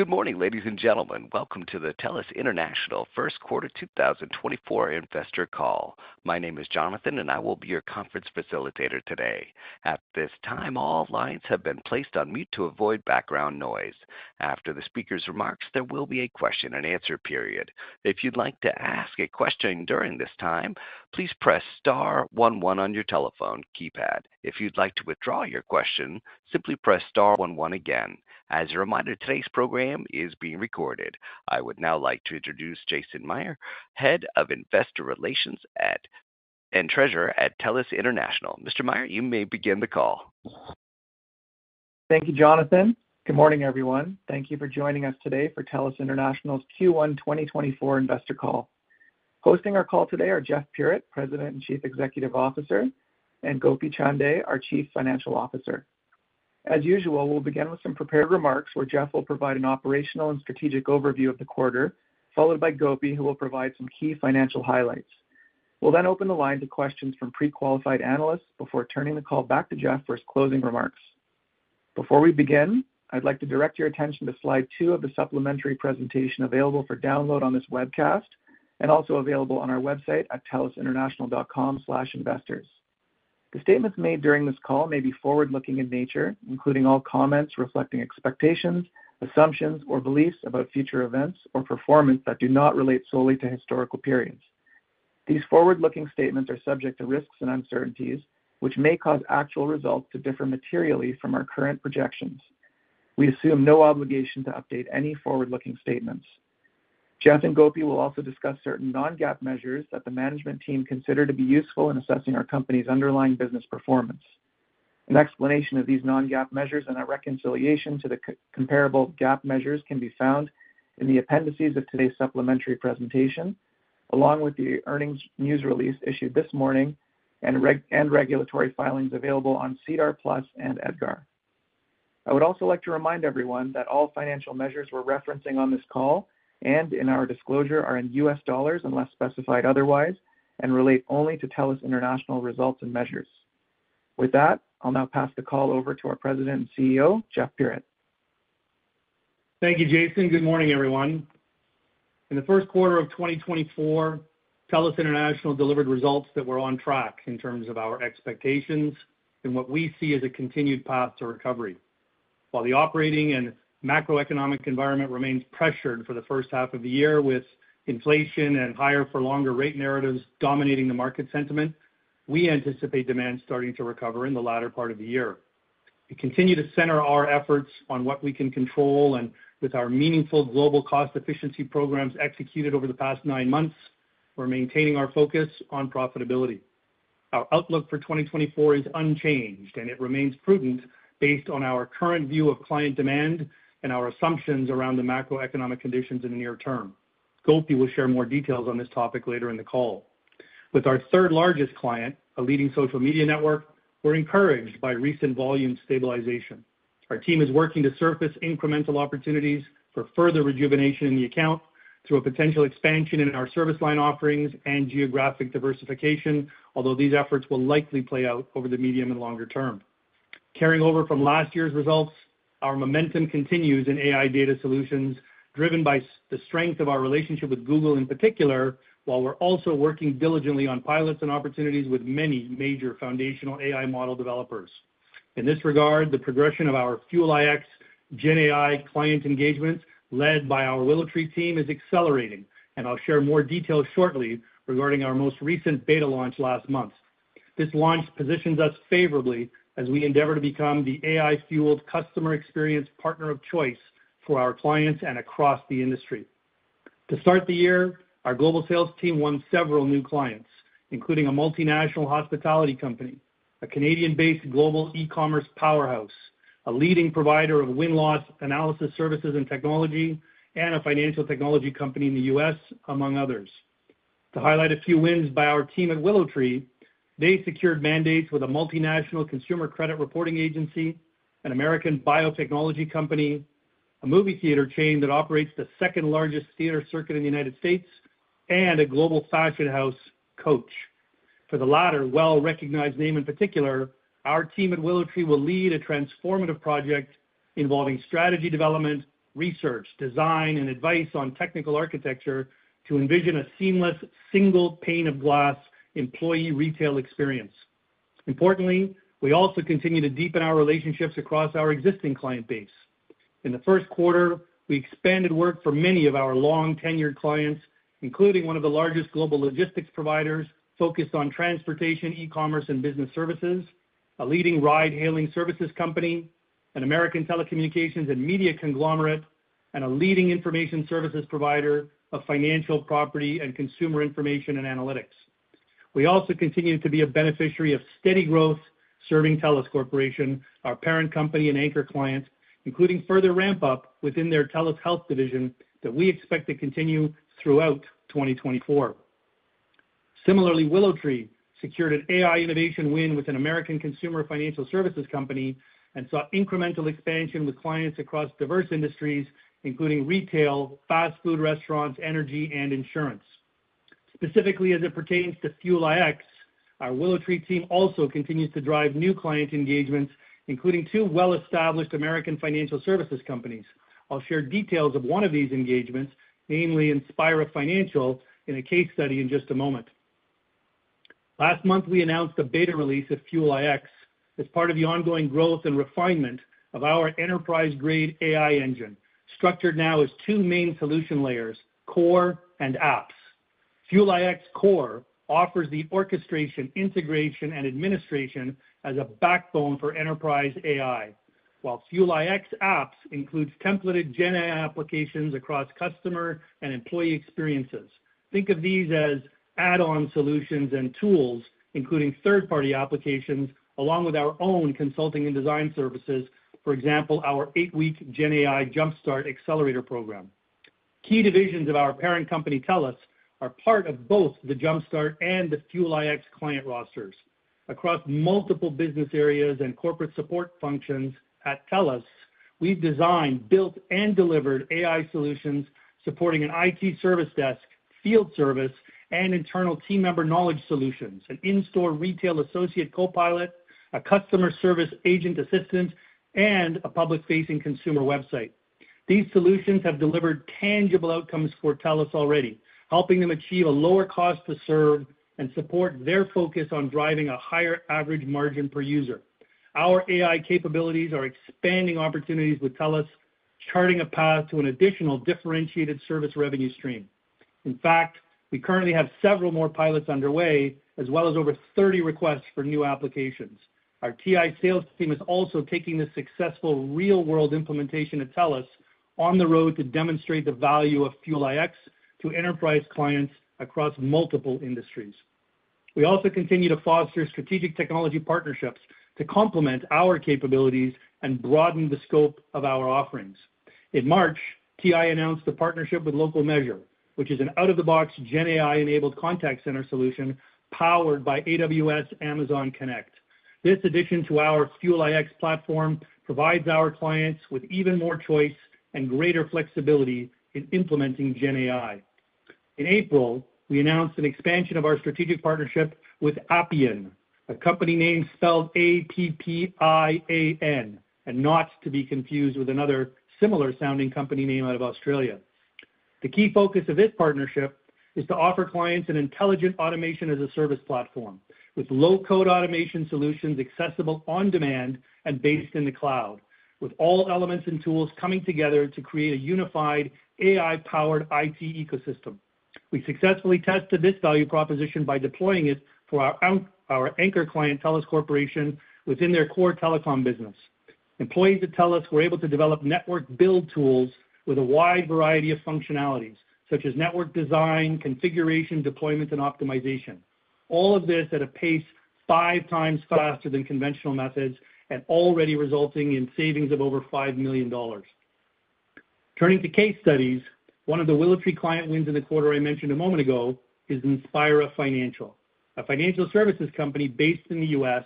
Good morning, ladies and gentlemen. Welcome to the TELUS International First Quarter 2024 Investor Call. My name is Jonathan, and I will be your conference facilitator today. At this time, all lines have been placed on mute to avoid background noise. After the speaker's remarks, there will be a question-and-answer period. If you'd like to ask a question during this time, please press star one one on your telephone keypad. If you'd like to withdraw your question, simply press star one one again. As a reminder, today's program is being recorded. I would now like to introduce Jason Mayr, Head of Investor Relations and Treasurer at TELUS International. Mr. Mayr, you may begin the call. Thank you, Jonathan. Good morning, everyone. Thank you for joining us today for TELUS International's Q1 2024 Investor Call. Hosting our call today are Jeff Puritt, President and Chief Executive Officer, and Gopi Chande, our Chief Financial Officer. As usual, we'll begin with some prepared remarks, where Jeff will provide an operational and strategic overview of the quarter, followed by Gopi, who will provide some key financial highlights. We'll then open the line to questions from pre-qualified analysts before turning the call back to Jeff for his closing remarks. Before we begin, I'd like to direct your attention to Slide 2 of the supplementary presentation available for download on this webcast, and also available on our website at telusinternational.com/investors. The statements made during this call may be forward-looking in nature, including all comments reflecting expectations, assumptions, or beliefs about future events or performance that do not relate solely to historical periods. These forward-looking statements are subject to risks and uncertainties, which may cause actual results to differ materially from our current projections. We assume no obligation to update any forward-looking statements. Jeff and Gopi will also discuss certain non-GAAP measures that the management team consider to be useful in assessing our company's underlying business performance. An explanation of these non-GAAP measures and a reconciliation to the comparable GAAP measures can be found in the appendices of today's supplementary presentation, along with the earnings news release issued this morning and regulatory filings available on SEDAR+ and EDGAR. I would also like to remind everyone that all financial measures we're referencing on this call and in our disclosure are in U.S. dollars, unless specified otherwise, and relate only to TELUS International results and measures. With that, I'll now pass the call over to our President and CEO, Jeff Puritt. Thank you, Jason. Good morning, everyone. In the first quarter of 2024, TELUS International delivered results that were on track in terms of our expectations and what we see as a continued path to recovery. While the operating and macroeconomic environment remains pressured for the first half of the year, with inflation and higher-for-longer rate narratives dominating the market sentiment, we anticipate demand starting to recover in the latter part of the year. We continue to center our efforts on what we can control, and with our meaningful global cost efficiency programs executed over the past nine months, we're maintaining our focus on profitability. Our outlook for 2024 is unchanged, and it remains prudent based on our current view of client demand and our assumptions around the macroeconomic conditions in the near term. Gopi will share more details on this topic later in the call. With our third-largest client, a leading social media network, we're encouraged by recent volume stabilization. Our team is working to surface incremental opportunities for further rejuvenation in the account through a potential expansion in our service line offerings and geographic diversification, although these efforts will likely play out over the medium and longer term. Carrying over from last year's results, our momentum continues in AI data solutions, driven by the strength of our relationship with Google in particular, while we're also working diligently on pilots and opportunities with many major foundational AI model developers. In this regard, the progression of our Fuel iX GenAI client engagement, led by our WillowTree team, is accelerating, and I'll share more details shortly regarding our most recent beta launch last month. This launch positions us favorably as we endeavor to become the AI-fueled customer experience partner of choice for our clients and across the industry. To start the year, our global sales team won several new clients, including a multinational hospitality company, a Canadian-based global e-commerce powerhouse, a leading provider of win-loss analysis services and technology, and a financial technology company in the U.S., among others. To highlight a few wins by our team at WillowTree, they secured mandates with a multinational consumer credit reporting agency, an American biotechnology company, a movie theater chain that operates the second-largest theater circuit in the United States, and a global fashion house, Coach. For the latter, well-recognized name in particular, our team at WillowTree will lead a transformative project involving strategy development, research, design, and advice on technical architecture to envision a seamless, single pane of glass employee retail experience. Importantly, we also continue to deepen our relationships across our existing client base. In the first quarter, we expanded work for many of our long-tenured clients, including one of the largest global logistics providers focused on transportation, e-commerce, and business services, a leading ride-hailing services company, an American telecommunications and media conglomerate, and a leading information services provider of financial, property, and consumer information and analytics. We also continue to be a beneficiary of steady growth serving TELUS Corporation, our parent company and anchor client, including further ramp-up within their TELUS Health division that we expect to continue throughout 2024. Similarly, WillowTree secured an AI innovation win with an American consumer financial services company and saw incremental expansion with clients across diverse industries, including retail, fast food restaurants, energy, and insurance.... Specifically, as it pertains to Fuel iX, our WillowTree team also continues to drive new client engagements, including two well-established American financial services companies. I'll share details of one of these engagements, namely Inspira Financial, in a case study in just a moment. Last month, we announced the beta release of Fuel iX as part of the ongoing growth and refinement of our enterprise-grade AI engine, structured now as two main solution layers, Core and Apps. Fuel iX Core offers the orchestration, integration, and administration as a backbone for enterprise AI, while Fuel iX Apps includes templated GenAI applications across customer and employee experiences. Think of these as add-on solutions and tools, including third-party applications, along with our own consulting and design services. For example, our eight-week GenAI Jumpstart Accelerator program. Key divisions of our parent company, TELUS, are part of both the Jumpstart and the Fuel iX client rosters. Across multiple business areas and corporate support functions at TELUS, we've designed, built, and delivered AI solutions supporting an IT service desk, field service, and internal team member knowledge solutions, an in-store retail associate co-pilot, a customer service agent assistant, and a public-facing consumer website. These solutions have delivered tangible outcomes for TELUS already, helping them achieve a lower cost to serve and support their focus on driving a higher average margin per user. Our AI capabilities are expanding opportunities with TELUS, charting a path to an additional differentiated service revenue stream. In fact, we currently have several more pilots underway, as well as over 30 requests for new applications. Our TI sales team is also taking this successful real-world implementation to TELUS on the road to demonstrate the value of Fuel iX to enterprise clients across multiple industries. We also continue to foster strategic technology partnerships to complement our capabilities and broaden the scope of our offerings. In March, TI announced a partnership with Local Measure, which is an out-of-the-box GenAI-enabled contact center solution powered by AWS Amazon Connect. This addition to our Fuel iX platform provides our clients with even more choice and greater flexibility in implementing GenAI. In April, we announced an expansion of our strategic partnership with Appian, a company name spelled A-P-P-I-A-N, and not to be confused with another similar-sounding company name out of Australia. The key focus of this partnership is to offer clients an intelligent automation as a service platform, with low-code automation solutions accessible on demand and based in the cloud, with all elements and tools coming together to create a unified AI-powered IT ecosystem. We successfully tested this value proposition by deploying it for our anchor client, TELUS Corp, within their core telecom business. Employees at TELUS were able to develop network build tools with a wide variety of functionalities, such as network design, configuration, deployment, and optimization. All of this at a pace five times faster than conventional methods and already resulting in savings of over $5 million. Turning to case studies, one of the WillowTree client wins in the quarter I mentioned a moment ago is Inspira Financial, a financial services company based in the U.S.,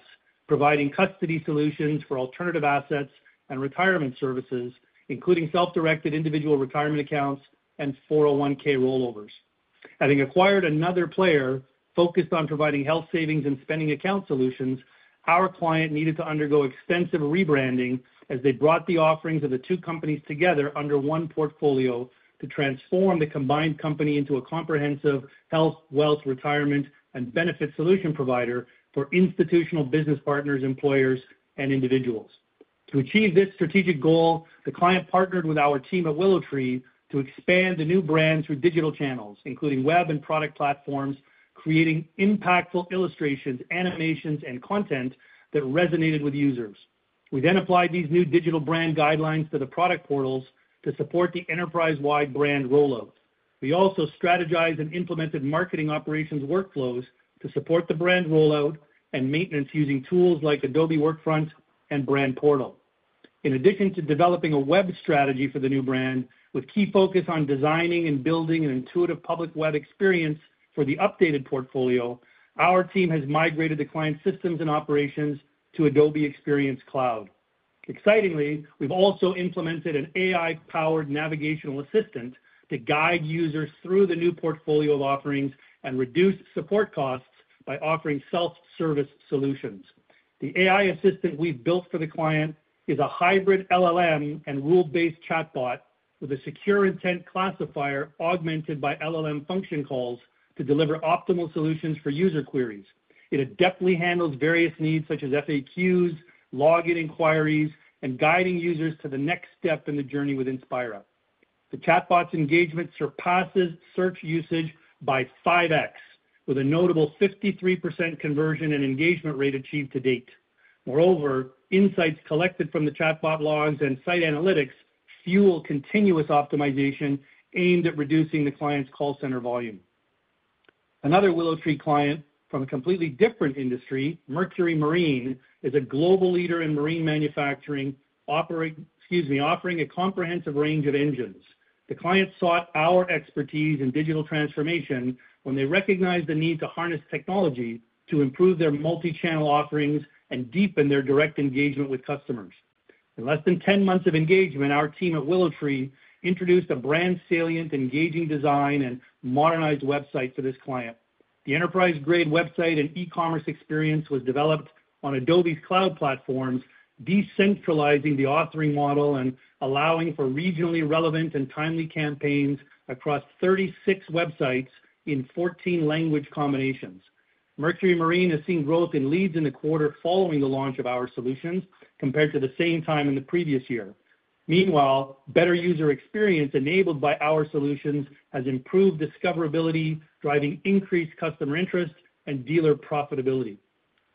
providing custody solutions for alternative assets and retirement services, including self-directed individual retirement accounts and 401(k) rollovers. Having acquired another player focused on providing health savings and spending account solutions, our client needed to undergo extensive rebranding as they brought the offerings of the two companies together under one portfolio to transform the combined company into a comprehensive health, wealth, retirement, and benefit solution provider for institutional business partners, employers, and individuals. To achieve this strategic goal, the client partnered with our team at WillowTree to expand the new brand through digital channels, including web and product platforms, creating impactful illustrations, animations, and content that resonated with users. We then applied these new digital brand guidelines to the product portals to support the enterprise-wide brand rollout. We also strategized and implemented marketing operations workflows to support the brand rollout and maintenance using tools like Adobe Workfront and Brand Portal. In addition to developing a web strategy for the new brand, with key focus on designing and building an intuitive public web experience for the updated portfolio, our team has migrated the client's systems and operations to Adobe Experience Cloud. Excitingly, we've also implemented an AI-powered navigational assistant to guide users through the new portfolio of offerings and reduce support costs by offering self-service solutions. The AI assistant we've built for the client is a hybrid LLM and rule-based chatbot with a secure intent classifier augmented by LLM function calls to deliver optimal solutions for user queries. It adeptly handles various needs, such as FAQs, login inquiries, and guiding users to the next step in the journey with Inspira. The chatbot's engagement surpasses search usage by 5x, with a notable 53% conversion and engagement rate achieved to date. Moreover, insights collected from the chatbot logs and site analytics fuel continuous optimization aimed at reducing the client's call center volume. Another WillowTree client from a completely different industry, Mercury Marine, is a global leader in marine manufacturing, offering a comprehensive range of engines. The client sought our expertise in digital transformation when they recognized the need to harness technology to improve their multi-channel offerings and deepen their direct engagement with customers. In less than 10 months of engagement, our team at WillowTree introduced a brand salient, engaging design, and modernized website for this client. The enterprise-grade website and e-commerce experience was developed on Adobe's cloud platforms, decentralizing the authoring model and allowing for regionally relevant and timely campaigns across 36 websites in 14 language combinations. Mercury Marine has seen growth in leads in the quarter following the launch of our solutions compared to the same time in the previous year. Meanwhile, better user experience enabled by our solutions has improved discoverability, driving increased customer interest and dealer profitability.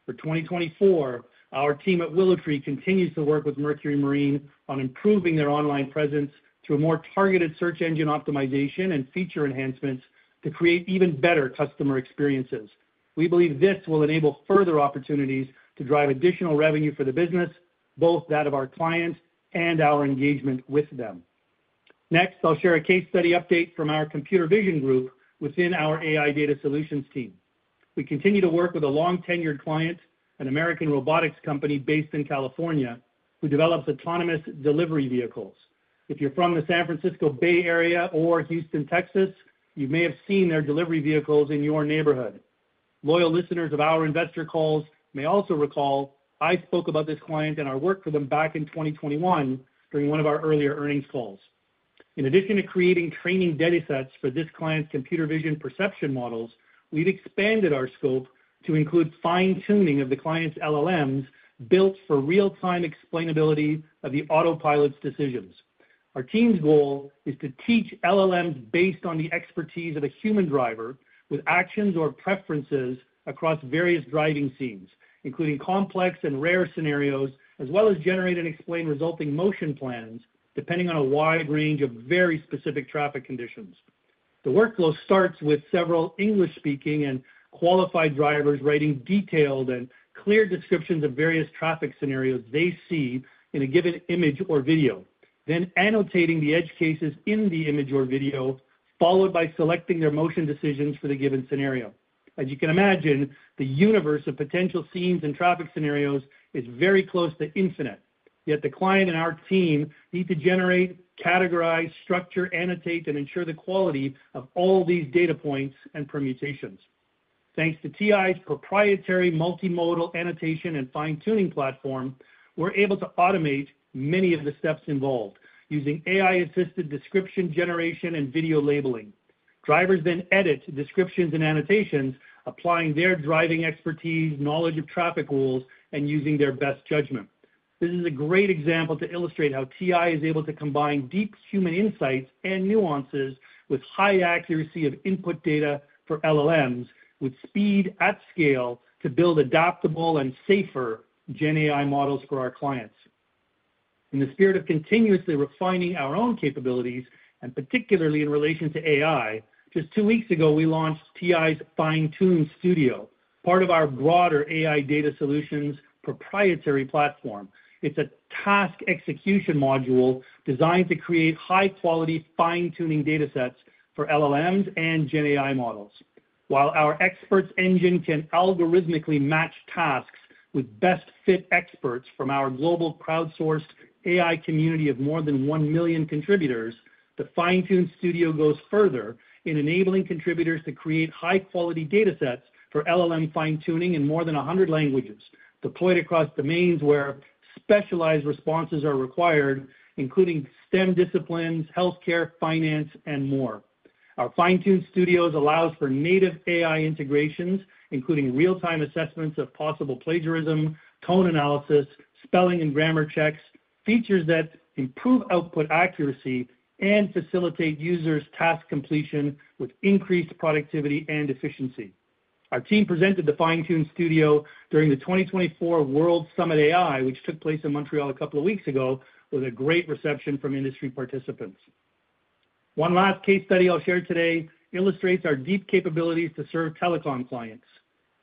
For 2024, our team at WillowTree continues to work with Mercury Marine on improving their online presence through a more targeted search engine optimization and feature enhancements to create even better customer experiences. We believe this will enable further opportunities to drive additional revenue for the business, both that of our clients and our engagement with them. Next, I'll share a case study update from our computer vision group within our AI Data Solutions team. We continue to work with a long-tenured client, an American robotics company based in California, who develops autonomous delivery vehicles. If you're from the San Francisco Bay Area or Houston, Texas, you may have seen their delivery vehicles in your neighborhood. Loyal listeners of our investor calls may also recall I spoke about this client and our work for them back in 2021 during one of our earlier earnings calls. In addition to creating training datasets for this client's computer vision perception models, we've expanded our scope to include fine-tuning of the client's LLMs, built for real-time explainability of the autopilot's decisions. Our team's goal is to teach LLMs based on the expertise of a human driver with actions or preferences across various driving scenes, including complex and rare scenarios, as well as generate and explain resulting motion plans, depending on a wide range of very specific traffic conditions. The workflow starts with several English-speaking and qualified drivers writing detailed and clear descriptions of various traffic scenarios they see in a given image or video, then annotating the edge cases in the image or video, followed by selecting their motion decisions for the given scenario. As you can imagine, the universe of potential scenes and traffic scenarios is very close to infinite. Yet the client and our team need to generate, categorize, structure, annotate, and ensure the quality of all these data points and permutations. Thanks to TI's proprietary multimodal annotation and fine-tuning platform, we're able to automate many of the steps involved, using AI-assisted description generation and video labeling. Drivers then edit descriptions and annotations, applying their driving expertise, knowledge of traffic rules, and using their best judgment. This is a great example to illustrate how TI is able to combine deep human insights and nuances with high accuracy of input data for LLMs, with speed at scale, to build adaptable and safer GenAI models for our clients. In the spirit of continuously refining our own capabilities, and particularly in relation to AI, just two weeks ago, we launched TI's Fine-tune Studio, part of our broader AI Data Solutions proprietary platform. It's a task execution module designed to create high-quality, fine-tuning datasets for LLMs and GenAI models. While our Experts Engine can algorithmically match tasks with best fit experts from our global crowdsourced AI community of more than one million contributors, the Fine-tune Studio goes further in enabling contributors to create high-quality datasets for LLM fine-tuning in more than 100 languages, deployed across domains where specialized responses are required, including STEM disciplines, healthcare, finance, and more. Our Fine-tune Studio allows for native AI integrations, including real-time assessments of possible plagiarism, tone analysis, spelling and grammar checks, features that improve output accuracy and facilitate users' task completion with increased productivity and efficiency. Our team presented the Fine-tune Studio during the 2024 World Summit AI, which took place in Montreal a couple of weeks ago, with a great reception from industry participants. One last case study I'll share today illustrates our deep capabilities to serve telecom clients.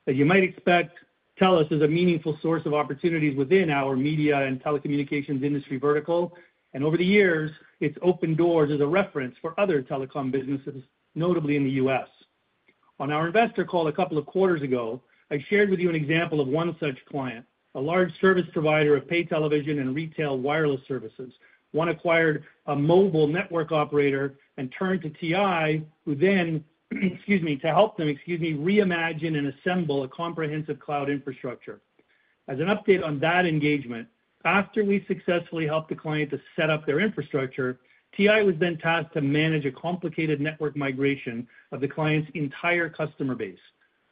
As you might expect, TELUS is a meaningful source of opportunities within our media and telecommunications industry vertical, and over the years, it's opened doors as a reference for other telecom businesses, notably in the U.S. On our investor call a couple of quarters ago, I shared with you an example of one such client, a large service provider of paid television and retail wireless services. One acquired a mobile network operator and turned to TI to help them reimagine and assemble a comprehensive cloud infrastructure. As an update on that engagement, after we successfully helped the client to set up their infrastructure, TI was then tasked to manage a complicated network migration of the client's entire customer base.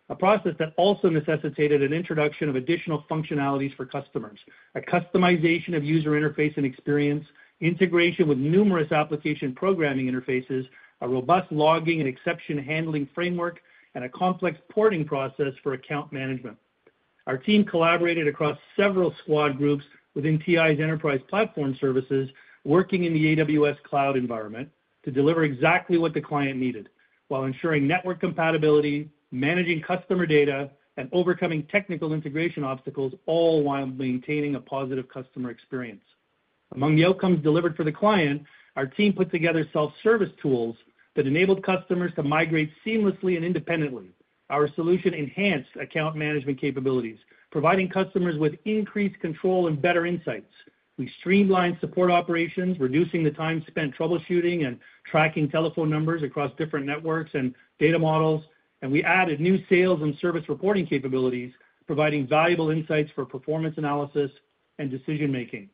A process that also necessitated an introduction of additional functionalities for customers, a customization of user interface and experience, integration with numerous application programming interfaces, a robust logging and exception handling framework, and a complex porting process for account management. Our team collaborated across several squad groups within TI's enterprise platform services, working in the AWS cloud environment, to deliver exactly what the client needed, while ensuring network compatibility, managing customer data, and overcoming technical integration obstacles, all while maintaining a positive customer experience. Among the outcomes delivered for the client, our team put together self-service tools that enabled customers to migrate seamlessly and independently…. Our solution enhanced account management capabilities, providing customers with increased control and better insights. We streamlined support operations, reducing the time spent troubleshooting and tracking telephone numbers across different networks and data models, and we added new sales and service reporting capabilities, providing valuable insights for performance analysis and decision-making.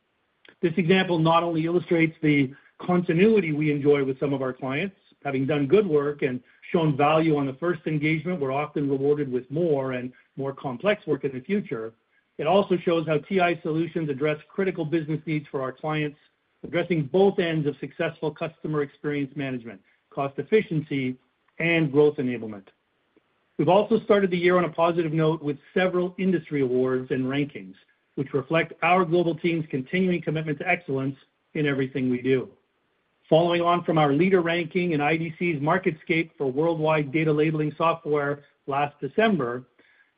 This example not only illustrates the continuity we enjoy with some of our clients, having done good work and shown value on the first engagement, we're often rewarded with more and more complex work in the future. It also shows how TI solutions address critical business needs for our clients, addressing both ends of successful customer experience management, cost efficiency, and growth enablement. We've also started the year on a positive note with several industry awards and rankings, which reflect our global team's continuing commitment to excellence in everything we do. Following on from our leader ranking in IDC's MarketScape for worldwide data labeling software last December,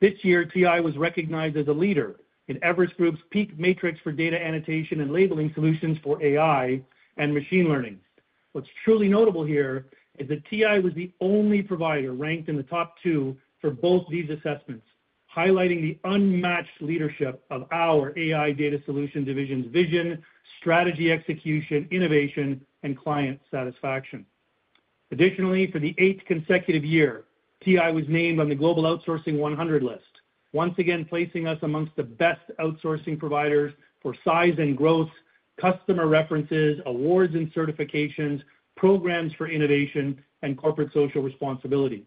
this year, TI was recognized as a leader in Everest Group's PEAK Matrix for data annotation and labeling solutions for AI and machine learning. What's truly notable here is that TI was the only provider ranked in the top two for both these assessments, highlighting the unmatched leadership of our AI Data Solutions division's vision, strategy, execution, innovation, and client satisfaction. Additionally, for the eighth consecutive year, TI was named on the Global Outsourcing 100 list, once again placing us amongst the best outsourcing providers for size and growth, customer references, awards and certifications, programs for innovation, and corporate social responsibility.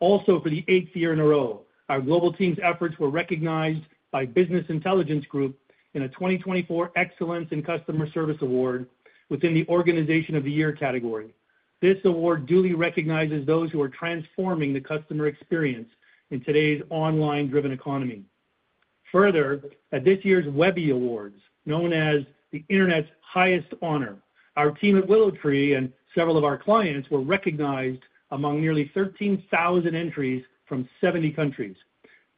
Also, for the eighth year in a row, our global team's efforts were recognized by Business Intelligence Group in a 2024 Excellence in Customer Service Award within the Organization of the Year category. This award duly recognizes those who are transforming the customer experience in today's online-driven economy. Further, at this year's Webby Awards, known as the Internet's highest honor, our team at WillowTree and several of our clients were recognized among nearly 13,000 entries from 70 countries.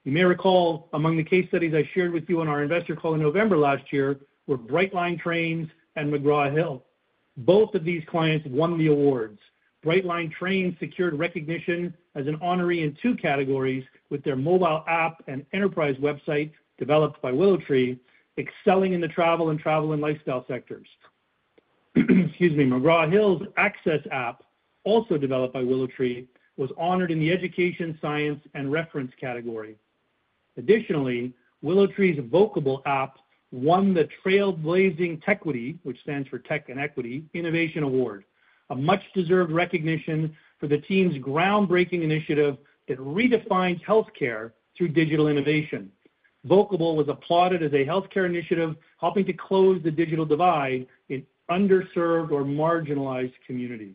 You may recall, among the case studies I shared with you on our investor call in November last year, were Brightline and McGraw Hill. Both of these clients won the awards. Brightline secured recognition as an honoree in two categories with their mobile app and enterprise website, developed by WillowTree, excelling in the travel and lifestyle sectors. Excuse me. McGraw Hill's Access App, also developed by WillowTree, was honored in the education, science, and reference category. Additionally, WillowTree's Vocable app won the trailblazing Techquity, which stands for tech and equity, Innovation Award, a much-deserved recognition for the team's groundbreaking initiative that redefines healthcare through digital innovation. Vocable was applauded as a healthcare initiative, helping to close the digital divide in underserved or marginalized communities.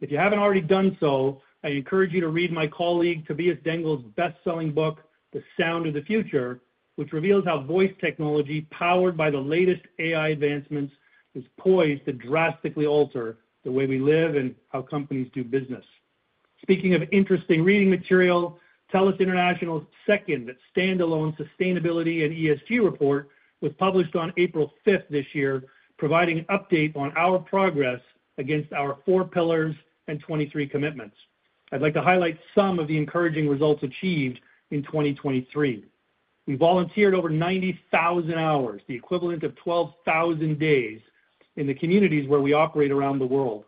If you haven't already done so, I encourage you to read my colleague, Tobias Dengel's best-selling book, The Sound of the Future, which reveals how voice technology, powered by the latest AI advancements, is poised to drastically alter the way we live and how companies do business. Speaking of interesting reading material, TELUS International's second standalone sustainability and ESG report was published on April 5th this year, providing an update on our progress against our four pillars and 23 commitments. I'd like to highlight some of the encouraging results achieved in 2023. We volunteered over 90,000 hours, the equivalent of 12,000 days, in the communities where we operate around the world.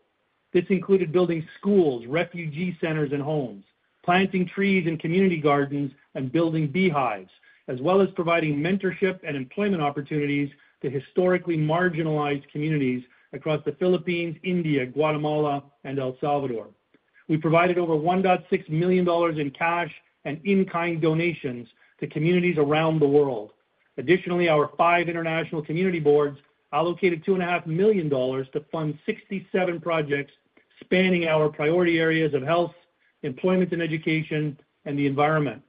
This included building schools, refugee centers, and homes, planting trees and community gardens, and building beehives, as well as providing mentorship and employment opportunities to historically marginalized communities across the Philippines, India, Guatemala, and El Salvador. We provided over $1.6 million in cash and in-kind donations to communities around the world. Additionally, our five international community boards allocated $2.5 million to fund 67 projects spanning our priority areas of health, employment and education, and the environment.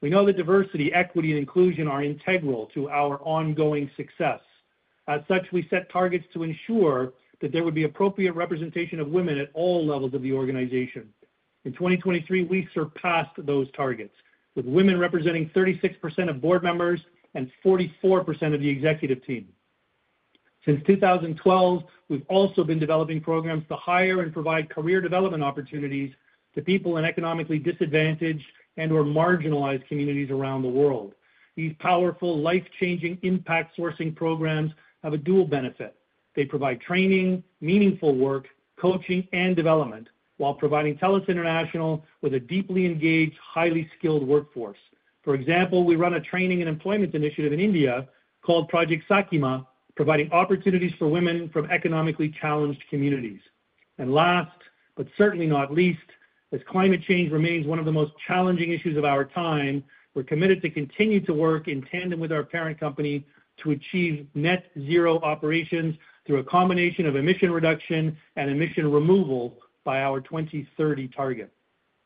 We know that diversity, equity, and inclusion are integral to our ongoing success. As such, we set targets to ensure that there would be appropriate representation of women at all levels of the organization. In 2023, we surpassed those targets, with women representing 36% of board members and 44% of the executive team. Since 2012, we've also been developing programs to hire and provide career development opportunities to people in economically disadvantaged and/or marginalized communities around the world. These powerful, life-changing impact sourcing programs have a dual benefit. They provide training, meaningful work, coaching, and development while providing TELUS International with a deeply engaged, highly skilled workforce. For example, we run a training and employment initiative in India called Project Sakima, providing opportunities for women from economically challenged communities. And last, but certainly not least, as climate change remains one of the most challenging issues of our time, we're committed to continue to work in tandem with our parent company to achieve Net Zero operations through a combination of emission reduction and emission removal by our 2030 target.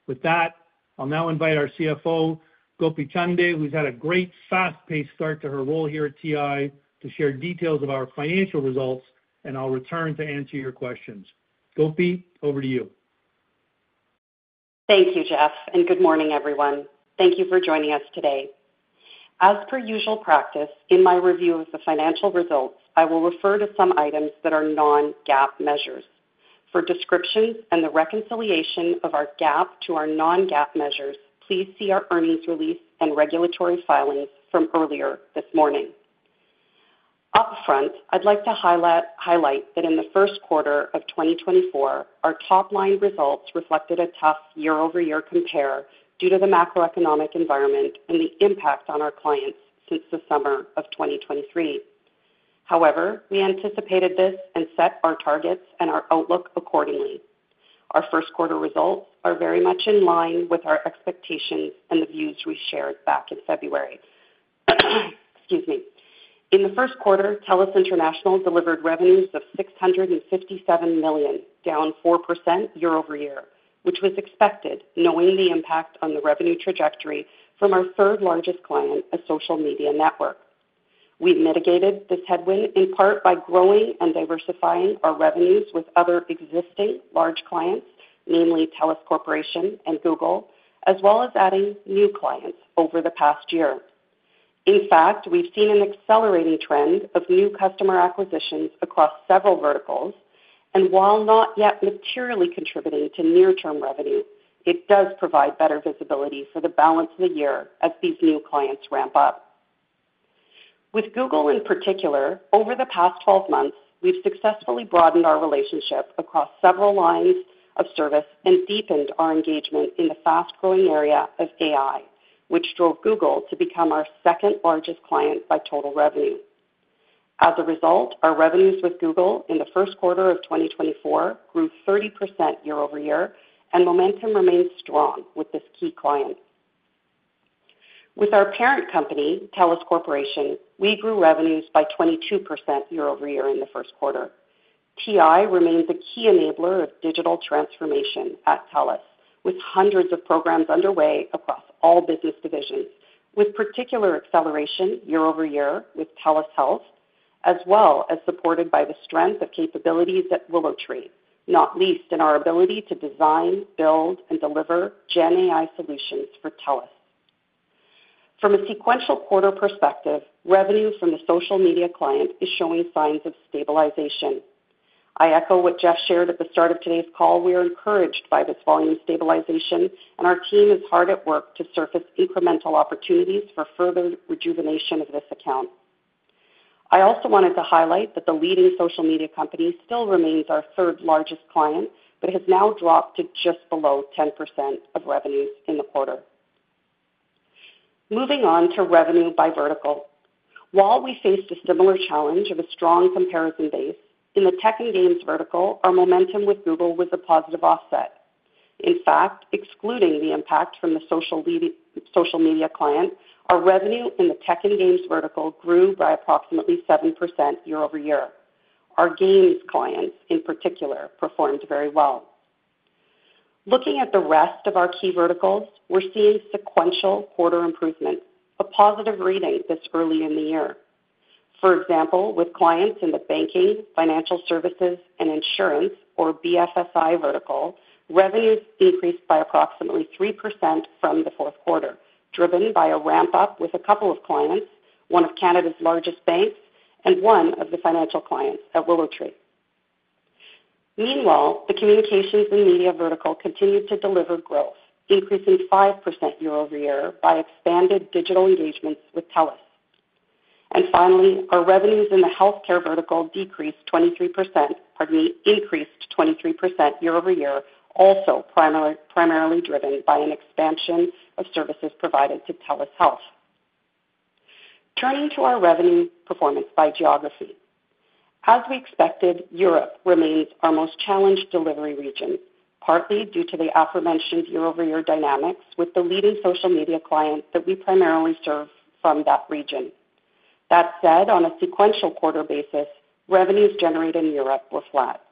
With that, I'll now invite our CFO, Gopi Chande, who's had a great, fast-paced start to her role here at TI, to share details of our financial results, and I'll return to answer your questions. Gopi, over to you. Thank you, Jeff, and good morning, everyone. Thank you for joining us today. As per usual practice, in my review of the financial results, I will refer to some items that are non-GAAP measures. For descriptions and the reconciliation of our GAAP to our non-GAAP measures, please see our earnings release and regulatory filings from earlier this morning. Up front, I'd like to highlight, highlight that in the first quarter of 2024, our top-line results reflected a tough year-over-year compare due to the macroeconomic environment and the impact on our clients since the summer of 2023. However, we anticipated this and set our targets and our outlook accordingly. Our first quarter results are very much in line with our expectations and the views we shared back in February. Excuse me. In the first quarter, TELUS International delivered revenues of $657 million, down 4% year-over-year, which was expected, knowing the impact on the revenue trajectory from our third-largest client, a social media network. We've mitigated this headwind in part by growing and diversifying our revenues with other existing large clients, namely TELUS Corp and Google, as well as adding new clients over the past year. In fact, we've seen an accelerating trend of new customer acquisitions across several verticals, and while not yet materially contributing to near-term revenue, it does provide better visibility for the balance of the year as these new clients ramp up. With Google, in particular, over the past 12 months, we've successfully broadened our relationship across several lines of service and deepened our engagement in the fast-growing area of AI, which drove Google to become our second-largest client by total revenue. As a result, our revenues with Google in the first quarter of 2024 grew 30% year-over-year, and momentum remains strong with this key client. With our parent company, TELUS Corp, we grew revenues by 22% year-over-year in the first quarter. TI remains a key enabler of digital transformation at TELUS, with hundreds of programs underway across all business divisions, with particular acceleration year-over-year with TELUS Health, as well as supported by the strength of capabilities at WillowTree, not least in our ability to design, build and deliver GenAI solutions for TELUS. From a sequential quarter perspective, revenue from the social media client is showing signs of stabilization. I echo what Jeff shared at the start of today's call. We are encouraged by this volume stabilization, and our team is hard at work to surface incremental opportunities for further rejuvenation of this account. I also wanted to highlight that the leading social media company still remains our third-largest client, but has now dropped to just below 10% of revenues in the quarter. Moving on to revenue by vertical. While we faced a similar challenge of a strong comparison base, in the tech and games vertical, our momentum with Google was a positive offset. In fact, excluding the impact from the social media, social media client, our revenue in the tech and games vertical grew by approximately 7% year-over-year. Our games clients, in particular, performed very well. Looking at the rest of our key verticals, we're seeing sequential quarter improvement, a positive reading this early in the year. For example, with clients in the banking, financial services and insurance, or BFSI, vertical, revenues increased by approximately 3% from the fourth quarter, driven by a ramp-up with a couple of clients, one of Canada's largest banks and one of the financial clients at WillowTree. Meanwhile, the communications and media vertical continued to deliver growth, increasing 5% year-over-year by expanded digital engagements with TELUS. Finally, our revenues in the healthcare vertical decreased 23%, pardon me, increased 23% year-over-year, also primarily, primarily driven by an expansion of services provided to TELUS Health. Turning to our revenue performance by geography. As we expected, Europe remains our most challenged delivery region, partly due to the aforementioned year-over-year dynamics with the leading social media client that we primarily serve from that region. That said, on a sequential quarter basis, revenues generated in Europe were flat.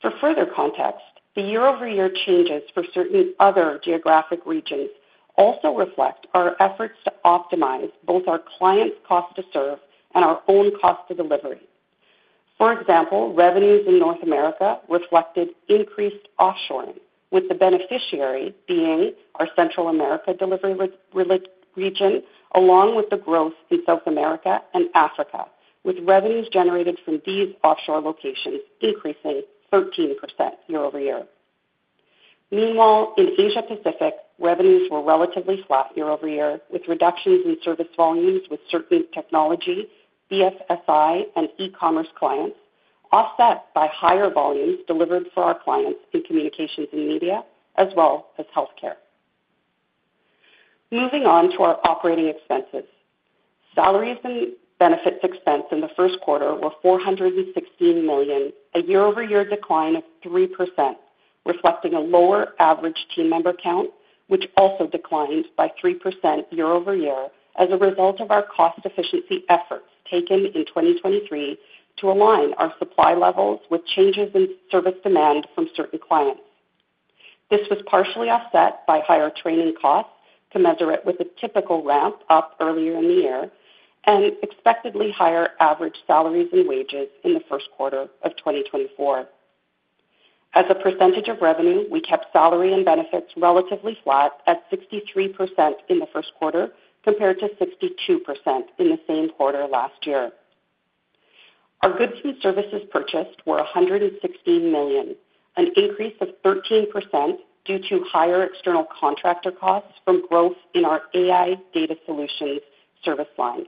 For further context, the year-over-year changes for certain other geographic regions also reflect our efforts to optimize both our clients' cost to serve and our own cost to delivery. For example, revenues in North America reflected increased offshoring, with the beneficiary being our Central America delivery region, along with the growth in South America and Africa, with revenues generated from these offshore locations increasing 13% year-over-year. Meanwhile, in Asia Pacific, revenues were relatively flat year-over-year, with reductions in service volumes with certain technology, BFSI, and e-commerce clients, offset by higher volumes delivered for our clients in communications and media, as well as healthcare. Moving on to our operating expenses. Salaries and benefits expense in the first quarter were $416 million, a year-over-year decline of 3%, reflecting a lower average team member count, which also declined by 3% year-over-year as a result of our cost efficiency efforts taken in 2023 to align our supply levels with changes in service demand from certain clients. This was partially offset by higher training costs, to measure it with a typical ramp up earlier in the year, and expectedly higher average salaries and wages in the first quarter of 2024. As a percentage of revenue, we kept salary and benefits relatively flat at 63% in the first quarter, compared to 62% in the same quarter last year. Our goods and services purchased were $116 million, an increase of 13% due to higher external contractor costs from growth in our AI Data Solutions service line,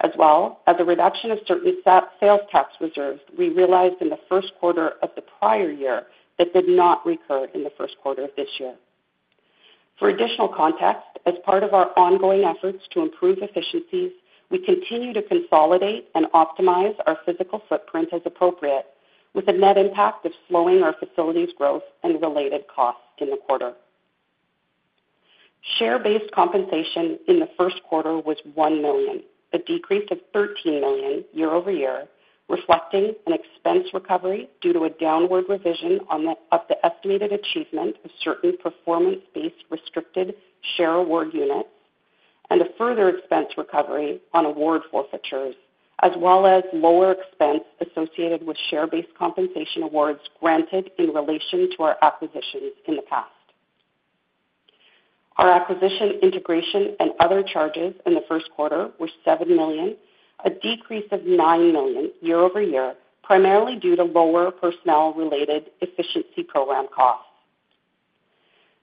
as well as a reduction of certain sales tax reserves we realized in the first quarter of the prior year that did not recur in the first quarter of this year. For additional context, as part of our ongoing efforts to improve efficiencies, we continue to consolidate and optimize our physical footprint as appropriate, with a net impact of slowing our facilities growth and related costs in the quarter. Share-based compensation in the first quarter was $1 million, a decrease of $13 million year-over-year, reflecting an expense recovery due to a downward revision of the estimated achievement of certain performance-based restricted share award units and a further expense recovery on award forfeitures, as well as lower expense associated with share-based compensation awards granted in relation to our acquisitions in the past. Our acquisition, integration, and other charges in the first quarter were $7 million, a decrease of $9 million year-over-year, primarily due to lower personnel-related efficiency program costs.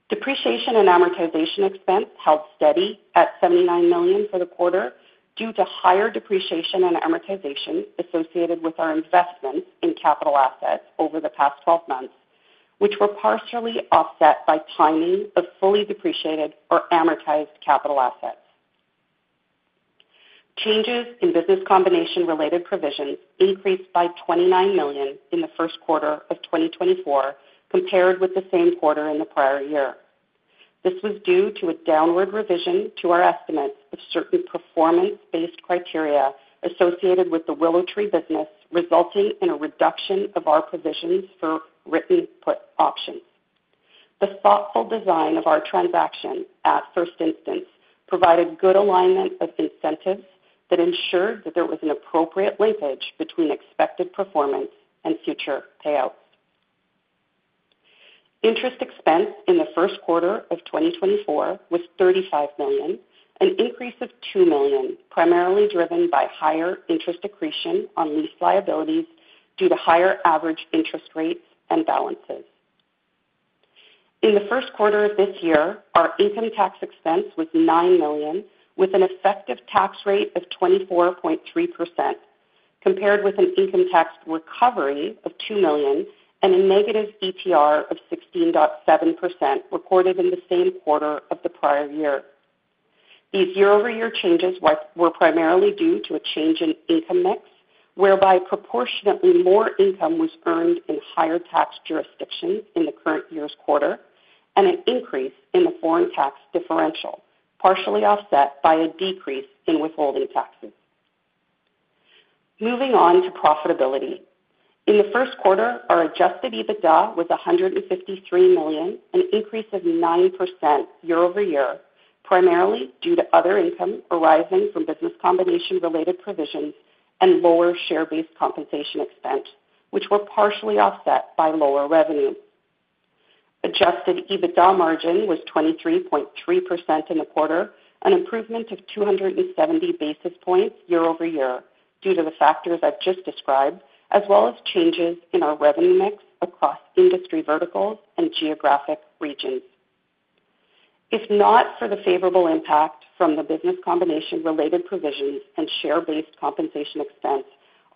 Depreciation and amortization expense held steady at $79 million for the quarter due to higher depreciation and amortization associated with our investments in capital assets over the past 12 months, which were partially offset by timing of fully depreciated or amortized capital assets. Changes in business combination-related provisions increased by $29 million in the first quarter of 2024, compared with the same quarter in the prior year. This was due to a downward revision to our estimates of certain performance-based criteria associated with the WillowTree business, resulting in a reduction of our provisions for written put options. The thoughtful design of our transaction at first instance provided good alignment of incentives that ensured that there was an appropriate linkage between expected performance and future payouts. Interest expense in the first quarter of 2024 was $35 million, an increase of $2 million, primarily driven by higher interest accretion on lease liabilities due to higher average interest rates and balances. In the first quarter of this year, our income tax expense was $9 million, with an effective tax rate of 24.3%, compared with an income tax recovery of $2 million and a negative ETR of 16.7% recorded in the same quarter of the prior year. These year-over-year changes were primarily due to a change in income mix, whereby proportionately more income was earned in higher tax jurisdictions in the current year's quarter, and an increase in the foreign tax differential, partially offset by a decrease in withholding taxes. Moving on to profitability. In the first quarter, our adjusted EBITDA was $153 million, an increase of 9% year-over-year, primarily due to other income arising from business combination-related provisions and lower share-based compensation expense, which were partially offset by lower revenue. Adjusted EBITDA margin was 23.3% in the quarter, an improvement of 270 basis points year-over-year due to the factors I've just described, as well as changes in our revenue mix across industry verticals and geographic regions. If not for the favorable impact from the business combination-related provisions and share-based compensation expense,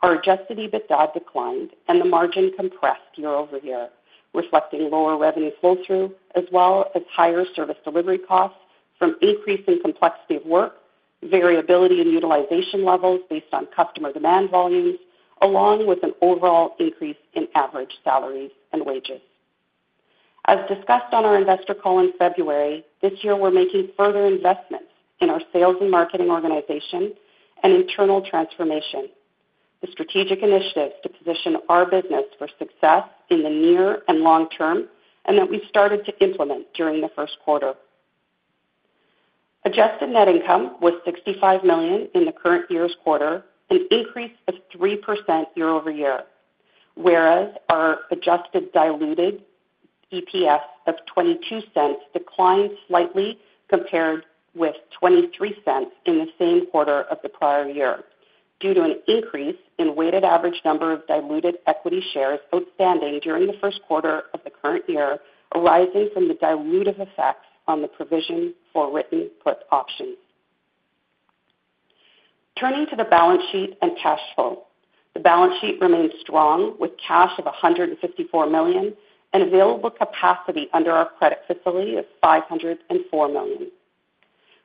our adjusted EBITDA declined and the margin compressed year-over-year, reflecting lower revenue pull-through, as well as higher service delivery costs from increase in complexity of work, variability in utilization levels based on customer demand volumes, along with an overall increase in average salaries and wages. As discussed on our investor call in February, this year, we're making further investments in our sales and marketing organization and internal transformation, the strategic initiatives to position our business for success in the near and long term, and that we started to implement during the first quarter. Adjusted Net Income was $65 million in the current year's quarter, an increase of 3% year-over-year, whereas our adjusted diluted EPS of $0.22 declined slightly, compared with $0.23 in the same quarter of the prior year, due to an increase in weighted average number of diluted equity shares outstanding during the first quarter of the current year, arising from the dilutive effects on the provision for written put options. Turning to the balance sheet and cash flow. The balance sheet remains strong, with cash of $154 million and available capacity under our credit facility of $504 million.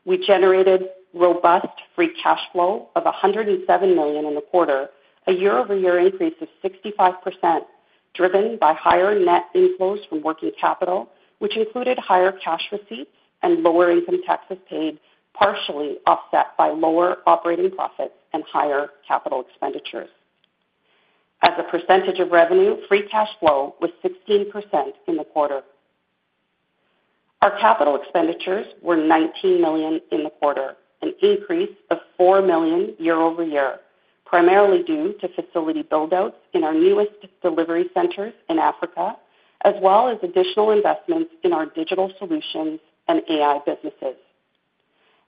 We generated robust free cash flow of $107 million in the quarter, a year-over-year increase of 65%, driven by higher net inflows from working capital, which included higher cash receipts and lower income taxes paid, partially offset by lower operating profits and higher capital expenditures. As a percentage of revenue, free cash flow was 16% in the quarter. Our capital expenditures were $19 million in the quarter, an increase of $4 million year-over-year, primarily due to facility build-outs in our newest delivery centers in Africa, as well as additional investments in our digital solutions and AI businesses.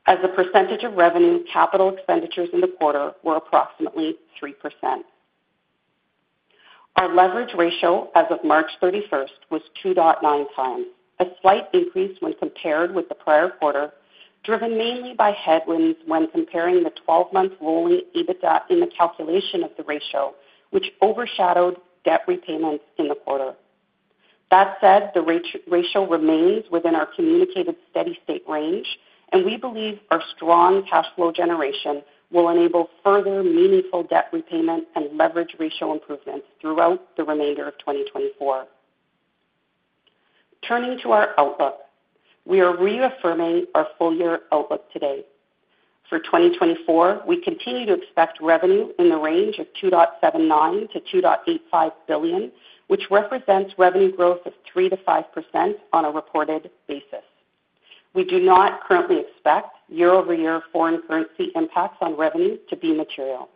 As a percentage of revenue, capital expenditures in the quarter were approximately 3%. Our leverage ratio as of March 31st was 2.9x, a slight increase when compared with the prior quarter, driven mainly by headwinds when comparing the 12-month rolling EBITDA in the calculation of the ratio, which overshadowed debt repayments in the quarter. That said, the ratio remains within our communicated steady state range, and we believe our strong cash flow generation will enable further meaningful debt repayment and leverage ratio improvements throughout the remainder of 2024. Turning to our outlook. We are reaffirming our full-year outlook today. For 2024, we continue to expect revenue in the range of $2.79 billion-$2.85 billion, which represents revenue growth of 3%-5% on a reported basis. We do not currently expect year-over-year foreign currency impacts on revenue to be material.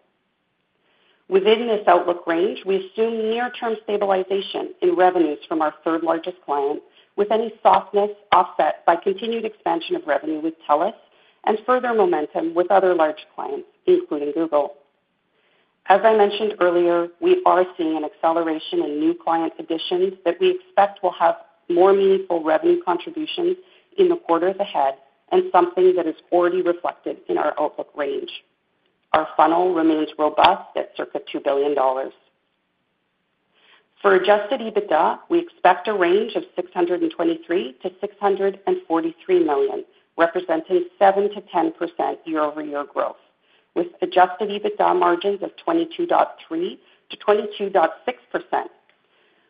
Within this outlook range, we assume near-term stabilization in revenues from our third-largest client, with any softness offset by continued expansion of revenue with TELUS and further momentum with other large clients, including Google. As I mentioned earlier, we are seeing an acceleration in new client additions that we expect will have more meaningful revenue contributions in the quarter ahead and something that is already reflected in our outlook range. Our funnel remains robust at circa $2 billion. For adjusted EBITDA, we expect a range of $623 million-$643 million, representing 7%-10% year-over-year growth, with adjusted EBITDA margins of 22.3%-22.6%.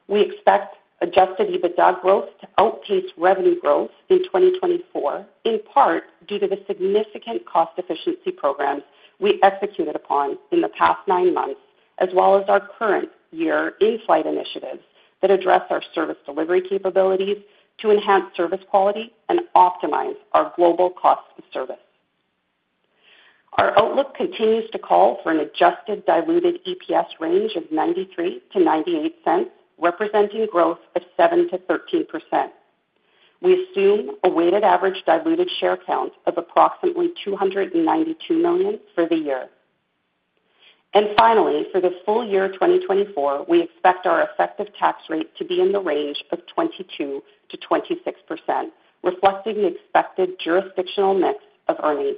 We expect adjusted EBITDA growth to outpace revenue growth in 2024, in part due to the significant cost efficiency programs we executed upon in the past nine months, as well as our current year in-flight initiatives that address our service delivery capabilities to enhance service quality and optimize our global cost of service. Our outlook continues to call for an adjusted diluted EPS range of $0.93-$0.98, representing growth of 7%-13%. We assume a weighted average diluted share count of approximately 292 million for the year. Finally, for the full year 2024, we expect our effective tax rate to be in the range of 22%-26%, reflecting the expected jurisdictional mix of earnings.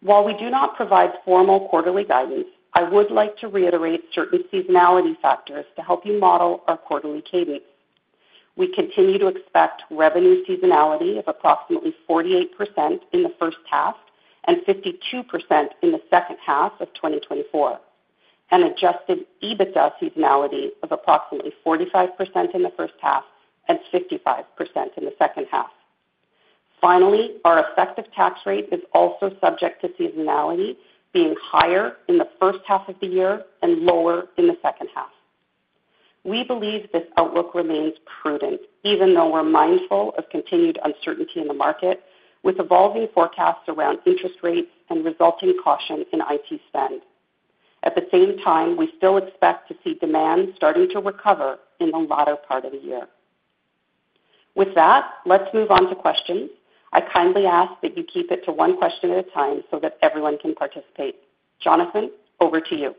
While we do not provide formal quarterly guidance, I would like to reiterate certain seasonality factors to help you model our quarterly cadence. We continue to expect revenue seasonality of approximately 48% in the first half and 52% in the second half of 2024, and adjusted EBITDA seasonality of approximately 45% in the first half and 55% in the second half. Finally, our effective tax rate is also subject to seasonality, being higher in the first half of the year and lower in the second half. We believe this outlook remains prudent, even though we're mindful of continued uncertainty in the market, with evolving forecasts around interest rates and resulting caution in IT spend. At the same time, we still expect to see demand starting to recover in the latter part of the year. With that, let's move on to questions. I kindly ask that you keep it to one question at a time so that everyone can participate. Jonathan, over to you.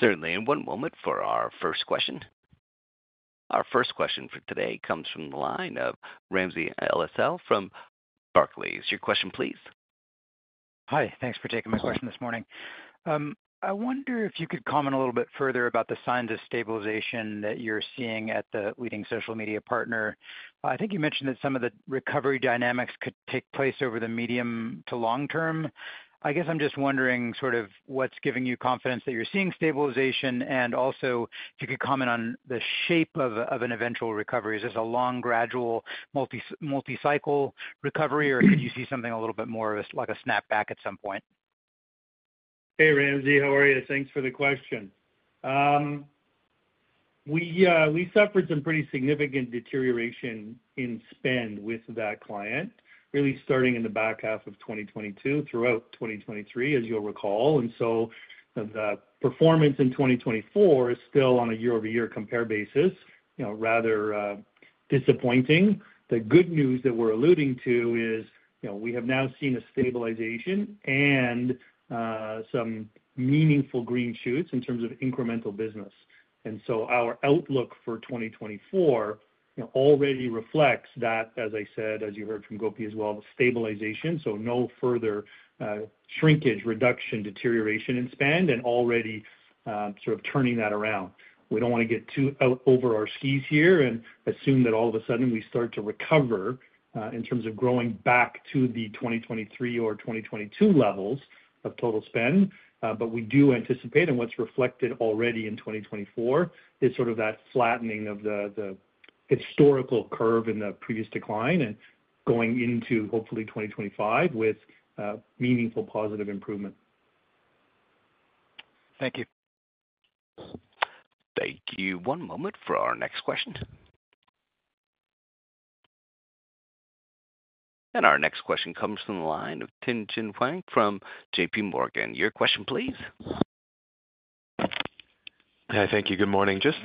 Certainly, and one moment for our first question. Our first question for today comes from the line of Ramsey El-Assal from Barclays. Your question, please. Hi. Thanks for taking my question this morning. I wonder if you could comment a little bit further about the signs of stabilization that you're seeing at the leading social media partner. I think you mentioned that some of the recovery dynamics could take place over the medium to long term. I guess I'm just wondering sort of what's giving you confidence that you're seeing stabilization, and also if you could comment on the shape of an eventual recovery. Is this a long, gradual, multi-cycle recovery, or could you see something a little bit more of a, like a snapback at some point? Hey, Ramsey, how are you? Thanks for the question. We, we suffered some pretty significant deterioration in spend with that client, really starting in the back half of 2022, throughout 2023, as you'll recall. And so the performance in 2024 is still on a year-over-year compare basis, you know, rather, disappointing. The good news that we're alluding to is, you know, we have now seen a stabilization and, some meaningful green shoots in terms of incremental business. And so our outlook for 2024, you know, already reflects that, as I said, as you heard from Gopi as well, the stabilization, so no further, shrinkage, reduction, deterioration in spend and already, sort of turning that around. We don't want to get too over our skis here and assume that all of a sudden, we start to recover in terms of growing back to the 2023 or 2022 levels of total spend. But we do anticipate, and what's reflected already in 2024, is sort of that flattening of the historical curve in the previous decline and going into, hopefully, 2025 with meaningful positive improvement. Thank you. Thank you. One moment for our next question. Our next question comes from the line of Tien-tsin Huang from JPMorgan. Your question, please? Hi, thank you. Good morning. Just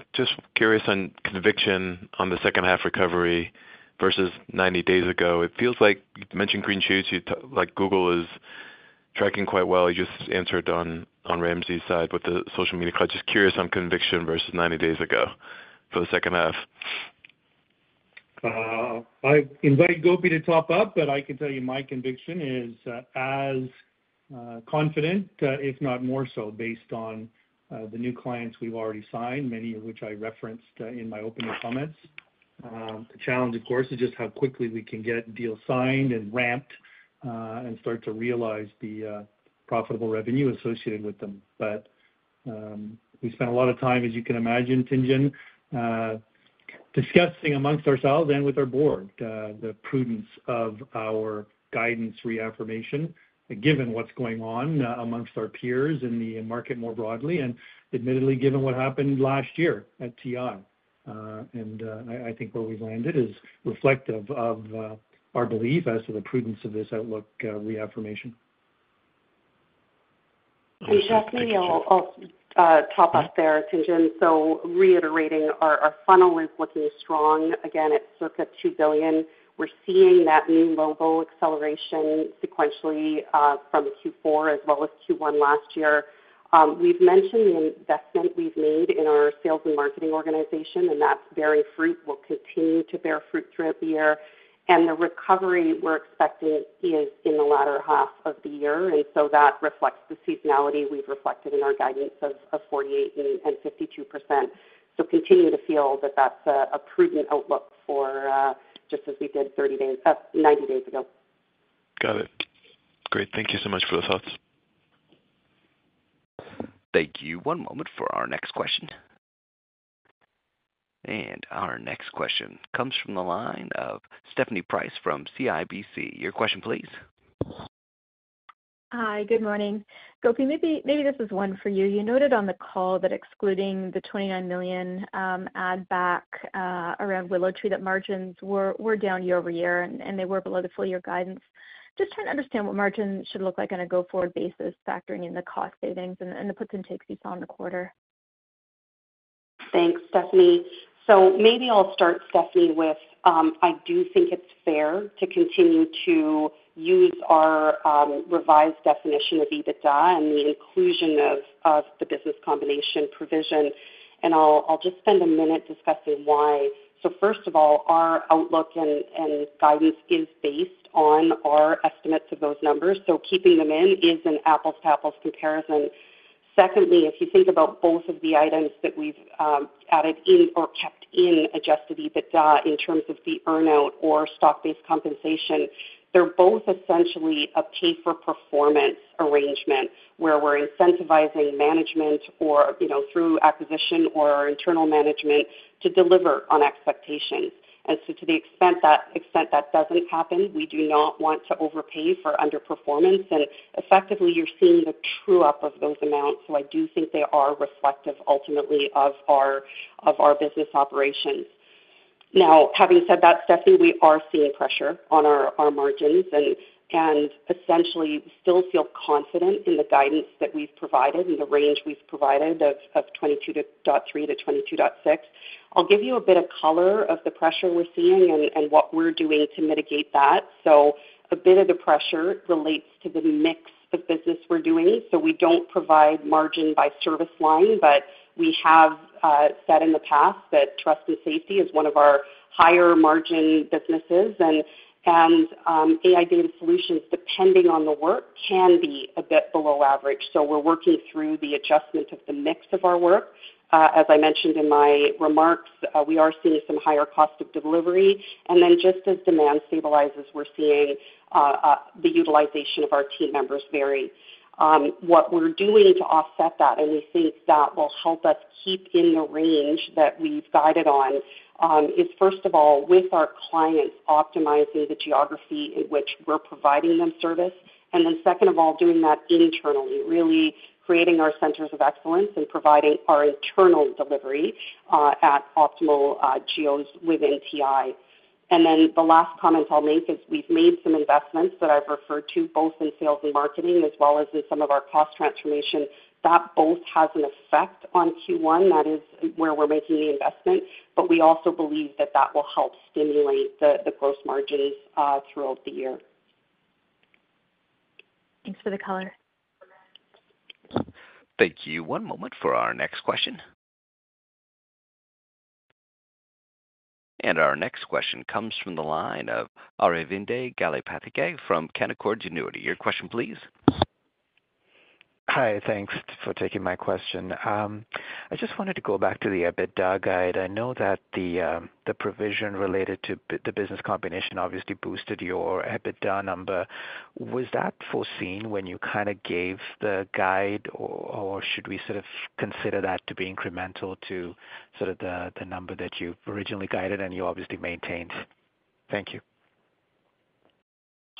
curious on conviction on the second half recovery versus 90 days ago. It feels like you mentioned green shoots. YouTube—like Google is tracking quite well. You just answered on, on Ramsey's side, but the social media client. Just curious on conviction versus 90 days ago for the second half. I invite Gopi to top up, but I can tell you my conviction is as confident, if not more so, based on the new clients we've already signed, many of which I referenced in my opening comments. The challenge, of course, is just how quickly we can get deals signed and ramped and start to realize the profitable revenue associated with them. But we spent a lot of time, as you can imagine, Tien-tsin, discussing amongst ourselves and with our board the prudence of our guidance reaffirmation, given what's going on amongst our peers in the market more broadly, and admittedly, given what happened last year at TI. And I think where we've landed is reflective of our belief as to the prudence of this outlook reaffirmation. Exactly, I'll top up there, Tien-tsin. So reiterating our funnel is looking strong again at circa $2 billion. We're seeing that new logo acceleration sequentially from Q4 as well as Q1 last year. We've mentioned the investment we've made in our sales and marketing organization, and that very fruit will continue to bear fruit throughout the year. The recovery we're expecting is in the latter half of the year, and so that reflects the seasonality we've reflected in our guidance of 48% and 52%. So continue to feel that that's a prudent outlook for just as we did 30 days, 90 days ago. Got it. Great. Thank you so much for the thoughts. Thank you. One moment for our next question. Our next question comes from the line of Stephanie Price from CIBC. Your question, please. Hi, good morning. Gopi, maybe, maybe this is one for you. You noted on the call that excluding the $29 million add back around WillowTree, that margins were, were down year-over-year, and, and they were below the full year guidance. Just trying to understand what margins should look like on a go-forward basis, factoring in the cost savings and, and the puts and takes you saw in the quarter. Thanks, Stephanie. So maybe I'll start, Stephanie, with, I do think it's fair to continue to use our, revised definition of EBITDA and the inclusion of, of the business combination provision, and I'll, I'll just spend a minute discussing why. So first of all, our outlook and, and guidance is based on our estimates of those numbers, so keeping them in is an apples to apples comparison. Secondly, if you think about both of the items that we've, added in or kept in adjusted EBITDA in terms of the earn out or stock-based compensation, they're both essentially a pay for performance arrangement, where we're incentivizing management or, you know, through acquisition or internal management to deliver on expectations. And so to the extent that, extent that doesn't happen, we do not want to overpay for underperformance, and effectively, you're seeing the true up of those amounts. So I do think they are reflective ultimately of our business operations. Now, having said that, Stephanie, we are seeing pressure on our margins and essentially still feel confident in the guidance that we've provided and the range we've provided of 22.3%-22.6%. I'll give you a bit of color on the pressure we're seeing and what we're doing to mitigate that. So a bit of the pressure relates to the mix of business we're doing. So we don't provide margin by service line, but we have said in the past that trust and safety is one of our higher margin businesses. And AI-driven solutions, depending on the work, can be a bit below average. So we're working through the adjustment of the mix of our work. As I mentioned in my remarks, we are seeing some higher cost of delivery, and then just as demand stabilizes, we're seeing the utilization of our team members vary. What we're doing to offset that, and we think that will help us keep in the range that we've guided on, is, first of all, with our clients, optimizing the geography in which we're providing them service. And then second of all, doing that internally, really creating our centers of excellence and providing our internal delivery at optimal geos within TI. And then the last comment I'll make is we've made some investments that I've referred to both in sales and marketing, as well as in some of our cost transformation. That both has an effect on Q1. That is where we're making the investment, but we also believe that that will help stimulate the gross margins throughout the year. Thanks for the color. Thank you. One moment for our next question. Our next question comes from the line of Aravinda Galappatthige from Canaccord Genuity. Your question, please. Hi, thanks for taking my question. I just wanted to go back to the EBITDA guide. I know that the, the provision related to the business combination obviously boosted your EBITDA number. Was that foreseen when you kind of gave the guide, or, or should we sort of consider that to be incremental to sort of the, the number that you originally guided and you obviously maintained? Thank you. ...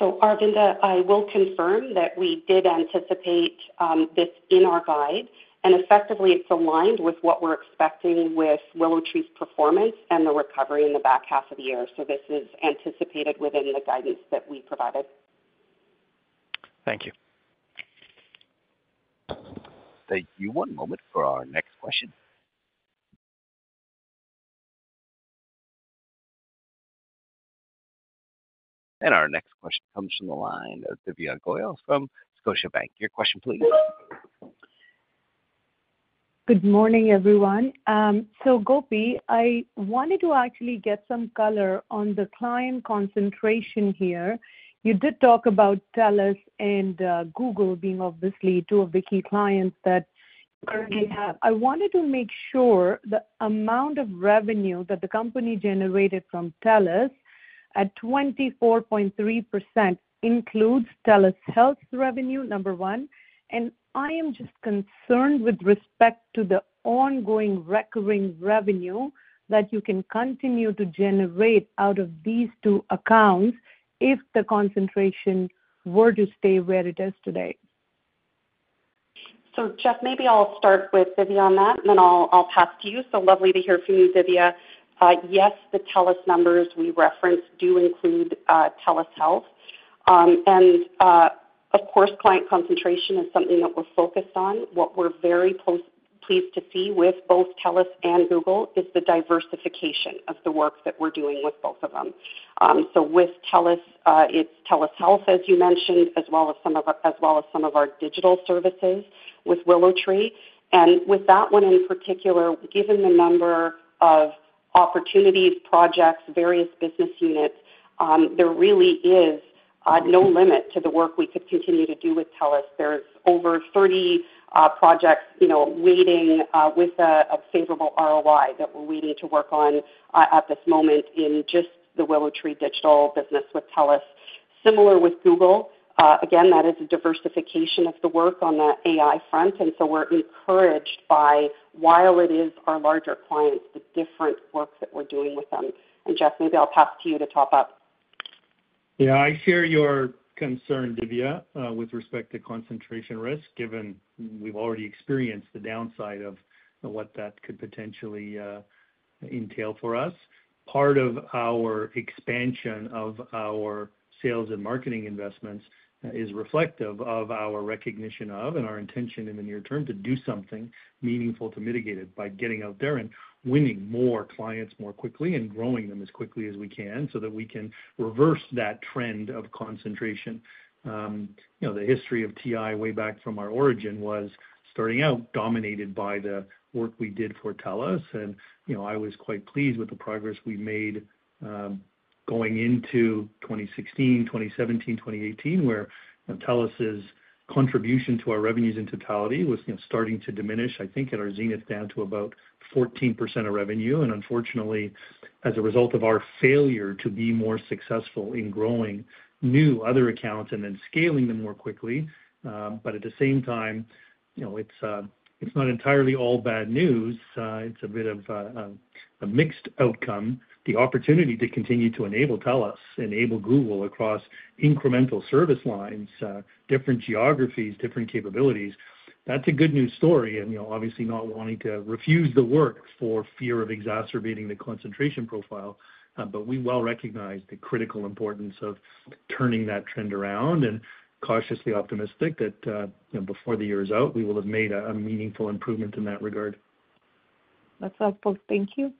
So, Aravinda, I will confirm that we did anticipate this in our guide, and effectively it's aligned with what we're expecting with WillowTree's performance and the recovery in the back half of the year. So this is anticipated within the guidance that we provided. Thank you. Thank you. One moment for our next question. Our next question comes from the line of Divya Goyal from Scotiabank. Your question please. Good morning, everyone. So Gopi, I wanted to actually get some color on the client concentration here. You did talk about TELUS and Google being obviously two of the key clients that you currently have. I wanted to make sure the amount of revenue that the company generated from TELUS at 24.3% includes TELUS Health revenue, number one, and I am just concerned with respect to the ongoing recurring revenue that you can continue to generate out of these two accounts if the concentration were to stay where it is today. So, Jeff, maybe I'll start with Divya on that, and then I'll pass to you. So lovely to hear from you, Divya. Yes, the TELUS numbers we referenced do include TELUS Health. Of course, client concentration is something that we're focused on. What we're very pleased to see with both TELUS and Google is the diversification of the work that we're doing with both of them. So with TELUS, it's TELUS Health, as you mentioned, as well as some of our digital services with WillowTree. And with that one in particular, given the number of opportunities, projects, various business units, there really is no limit to the work we could continue to do with TELUS. There's over 30 projects, you know, waiting with a favorable ROI that we're waiting to work on at this moment in just the WillowTree digital business with TELUS. Similar with Google. Again, that is a diversification of the work on the AI front, and so we're encouraged by, while it is our larger clients, the different work that we're doing with them. And Jeff, maybe I'll pass to you to top up. Yeah, I share your concern, Divya, with respect to concentration risk, given we've already experienced the downside of what that could potentially entail for us. Part of our expansion of our sales and marketing investments is reflective of our recognition of and our intention in the near term to do something meaningful to mitigate it, by getting out there and winning more clients more quickly and growing them as quickly as we can, so that we can reverse that trend of concentration. You know, the history of TI, way back from our origin, was starting out dominated by the work we did for TELUS, and, you know, I was quite pleased with the progress we made, going into 2016, 2017, 2018, where TELUS's contribution to our revenues in totality was, you know, starting to diminish. I think at our zenith, down to about 14% of revenue, and unfortunately, as a result of our failure to be more successful in growing new other accounts and then scaling them more quickly, but at the same time, you know, it's not entirely all bad news. It's a bit of a mixed outcome. The opportunity to continue to enable TELUS, enable Google across incremental service lines, different geographies, different capabilities, that's a good news story. And, you know, obviously not wanting to refuse the work for fear of exacerbating the concentration profile, but we well recognize the critical importance of turning that trend around and cautiously optimistic that, you know, before the year is out, we will have made a meaningful improvement in that regard. That's helpful. Thank you.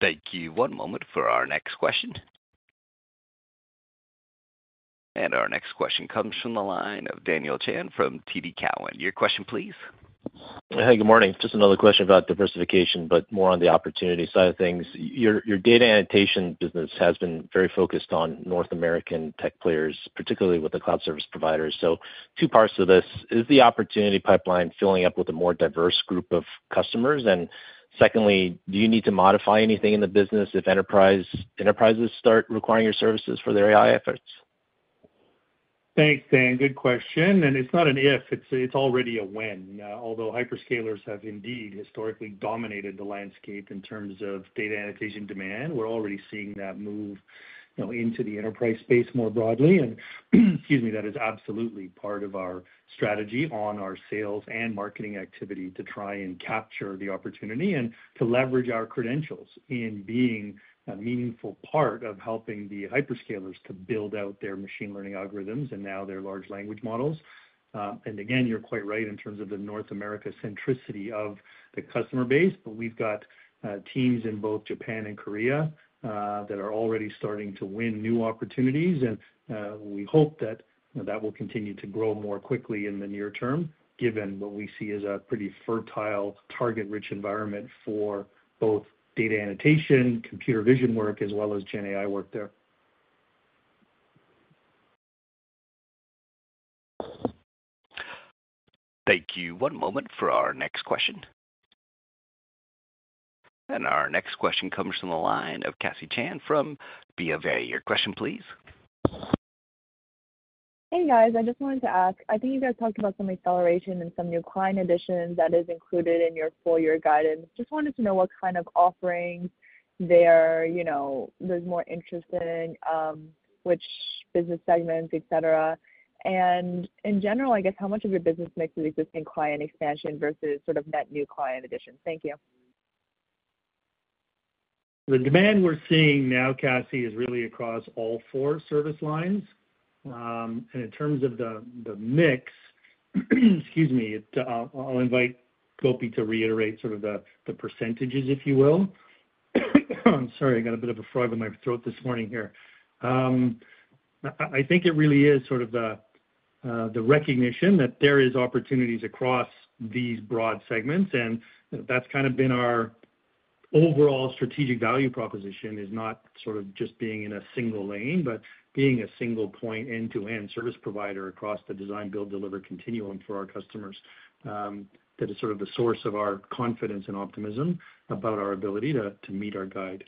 Thank you. One moment for our next question. Our next question comes from the line of Daniel Chan from TD Cowen. Your question please. Hey, good morning. Just another question about diversification, but more on the opportunity side of things. Your, your data annotation business has been very focused on North American tech players, particularly with the cloud service providers. So two parts to this: Is the opportunity pipeline filling up with a more diverse group of customers? And secondly, do you need to modify anything in the business if enterprises start requiring your services for their AI efforts? Thanks, Dan. Good question, and it's not an if, it's, it's already a when. Although hyperscalers have indeed historically dominated the landscape in terms of data annotation demand, we're already seeing that move, you know, into the enterprise space more broadly. And, excuse me, that is absolutely part of our strategy on our sales and marketing activity, to try and capture the opportunity and to leverage our credentials in being a meaningful part of helping the hyperscalers to build out their machine learning algorithms and now their large language models. And again, you're quite right in terms of the North America centricity of the customer base, but we've got teams in both Japan and Korea that are already starting to win new opportunities. We hope that that will continue to grow more quickly in the near term, given what we see as a pretty fertile, target-rich environment for both data annotation, computer vision work, as well as GenAI work there. Thank you. One moment for our next question. Our next question comes from the line of Cassie Chan from BofA. Your question please.... Hey, guys, I just wanted to ask. I think you guys talked about some acceleration and some new client additions that is included in your full year guidance. Just wanted to know what kind of offerings they are, you know, which business segments, et cetera. And in general, I guess, how much of your business makes it existing client expansion versus sort of that new client addition? Thank you. The demand we're seeing now, Cassie, is really across all four service lines. And in terms of the mix, excuse me, it, I'll invite Gopi to reiterate sort of the percentages, if you will. I'm sorry, I got a bit of a frog in my throat this morning here. I think it really is sort of the recognition that there is opportunities across these broad segments, and that's kind of been our overall strategic value proposition is not sort of just being in a single lane, but being a single point end-to-end service provider across the design, build, deliver continuum for our customers, that is sort of the source of our confidence and optimism about our ability to meet our guide.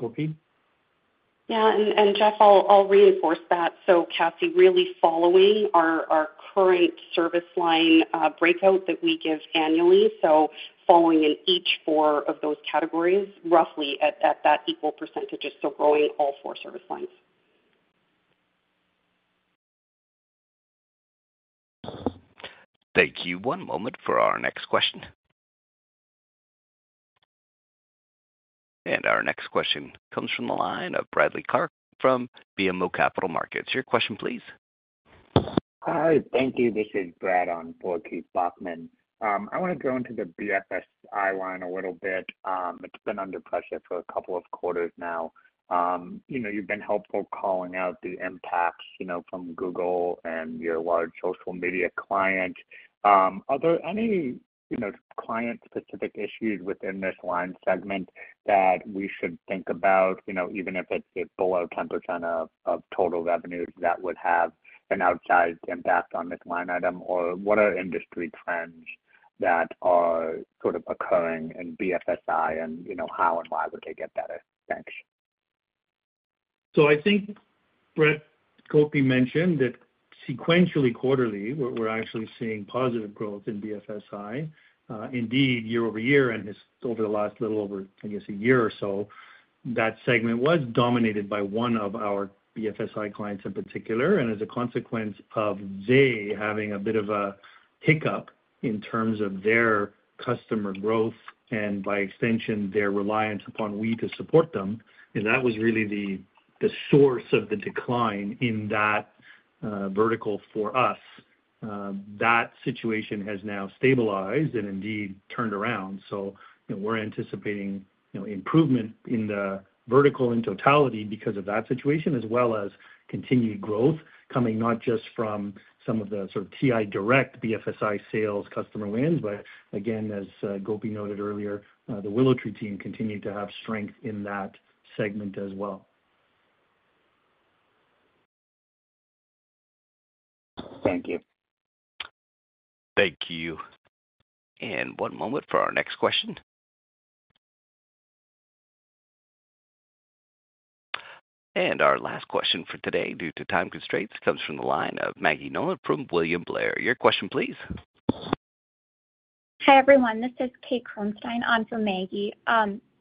Gopi? Yeah, and Jeff, I'll reinforce that. So Cassie, really following our current service line breakout that we give annually, so following in each four of those categories, roughly at that equal percentages, so growing all four service lines. Thank you. One moment for our next question. Our next question comes from the line of Bradley Clark from BMO Capital Markets. Your question, please. Hi, thank you. This is Brad on for Keith Bachman. I wanna go into the BFSI line a little bit. It's been under pressure for a couple of quarters now. You know, you've been helpful calling out the impacts, you know, from Google and your large social media client. Are there any, you know, client-specific issues within this line segment that we should think about, you know, even if it's, it's below 10% of, of total revenues that would have an outsized impact on this line item? Or what are industry trends that are sort of occurring in BFSI and, you know, how and why would they get better? Thanks. So I think, Brett, Gopi mentioned that sequentially, quarterly, we're actually seeing positive growth in BFSI. Indeed, year-over-year and it's over the last little over, I guess, a year or so, that segment was dominated by one of our BFSI clients in particular, and as a consequence of they having a bit of a hiccup in terms of their customer growth and by extension, their reliance upon we to support them, and that was really the source of the decline in that vertical for us. That situation has now stabilized and indeed turned around. So, you know, we're anticipating, you know, improvement in the vertical in totality because of that situation, as well as continued growth coming not just from some of the sort of TI direct BFSI sales customer wins, but again, as Gopi noted earlier, the WillowTree team continued to have strength in that segment as well. Thank you. Thank you. And one moment for our next question. And our last question for today, due to time constraints, comes from the line of Maggie Nolan from William Blair. Your question, please. Hi, everyone. This is Kate Kronstein on for Maggie.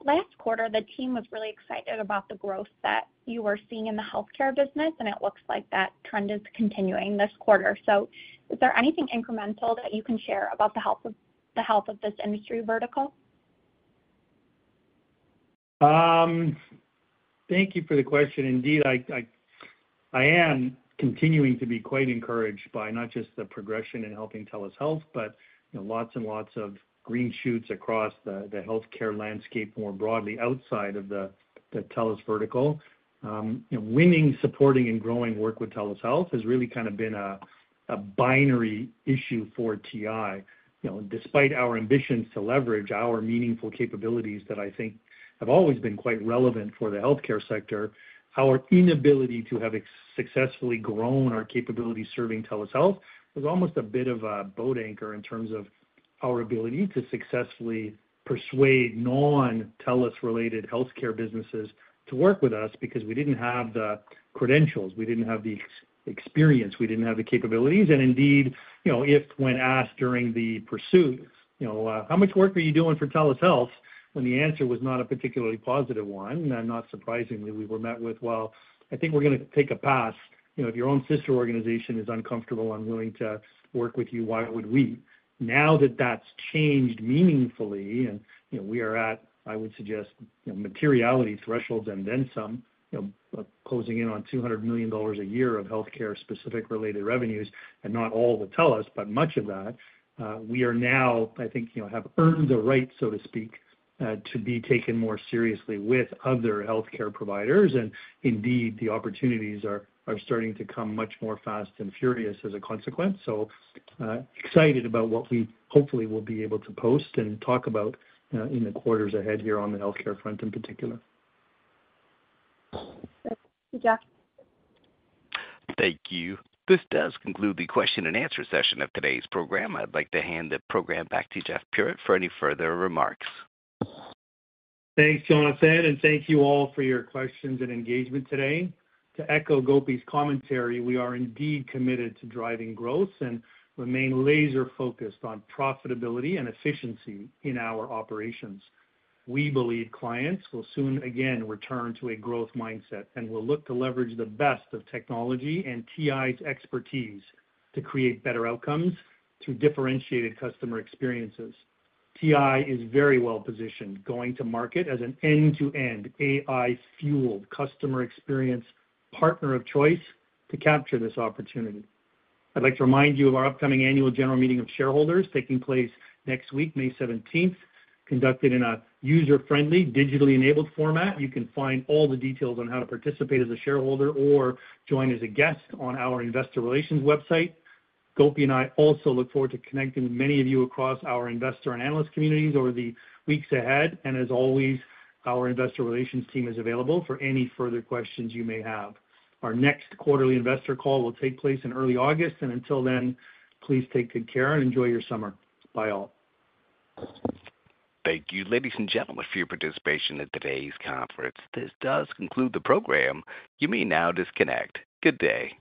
Last quarter, the team was really excited about the growth that you were seeing in the healthcare business, and it looks like that trend is continuing this quarter. So is there anything incremental that you can share about the health of this industry vertical? Thank you for the question. Indeed, I am continuing to be quite encouraged by not just the progression in helping TELUS Health, but, you know, lots and lots of green shoots across the healthcare landscape, more broadly outside of the TELUS vertical. You know, winning, supporting, and growing work with TELUS Health has really kind of been a binary issue for TI. You know, despite our ambitions to leverage our meaningful capabilities that I think have always been quite relevant for the healthcare sector, our inability to have successfully grown our capabilities serving TELUS Health was almost a bit of a boat anchor in terms of our ability to successfully persuade non-TELUS-related healthcare businesses to work with us because we didn't have the credentials, we didn't have the experience, we didn't have the capabilities, and indeed, you know, if when asked during the pursuit, you know, "How much work are you doing for TELUS Health?" and the answer was not a particularly positive one, and not surprisingly, we were met with: "Well, I think we're gonna take a pass. You know, if your own sister organization is uncomfortable and willing to work with you, why would we?" Now that that's changed meaningfully and, you know, we are at, I would suggest, you know, materiality thresholds and then some, you know, closing in on $200 million a year of healthcare-specific related revenues, and not all the TELUS, but much of that, we are now, I think, you know, have earned the right, so to speak, to be taken more seriously with other healthcare providers. And indeed, the opportunities are starting to come much more fast and furious as a consequence. So, excited about what we hopefully will be able to post and talk about, in the quarters ahead here on the healthcare front in particular. Thank you, Jeff. Thank you. This does conclude the question and answer session of today's program. I'd like to hand the program back to Jeff Puritt for any further remarks. Thanks, Jonathan, and thank you all for your questions and engagement today. To echo Gopi's commentary, we are indeed committed to driving growth and remain laser focused on profitability and efficiency in our operations. We believe clients will soon again return to a growth mindset and will look to leverage the best of technology and TI's expertise to create better outcomes to differentiated customer experiences. TI is very well positioned, going to market as an end-to-end, AI-fueled customer experience partner of choice to capture this opportunity. I'd like to remind you of our upcoming annual general meeting of shareholders taking place next week, May seventeenth, conducted in a user-friendly, digitally-enabled format. You can find all the details on how to participate as a shareholder or join as a guest on our investor relations website. Gopi and I also look forward to connecting with many of you across our investor and analyst communities over the weeks ahead. As always, our investor relations team is available for any further questions you may have. Our next quarterly investor call will take place in early August, and until then, please take good care and enjoy your summer. Bye all. Thank you, ladies and gentlemen, for your participation in today's conference. This does conclude the program. You may now disconnect. Good day.